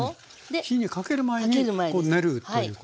火にかける前に練るということ。